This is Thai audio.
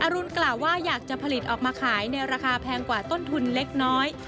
รุนกล่าวว่าอยากจะผลิตออกมาขายในราคาแพงกว่าต้นทุนเล็กน้อย